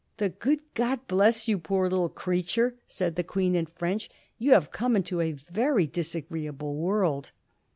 " The good God bless you, poor little creature," said the Queen in French; "you have come into a very disagreeable world